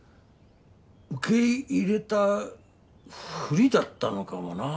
受け入れたふりだったのかもなあ。